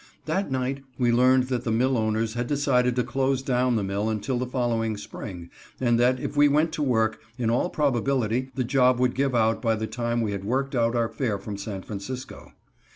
That night we learned that the mill owners had decided to close down the mill until the following spring, and that, if we went to work, in all probability the job would give out by the time we had worked out our fare from San Francisco.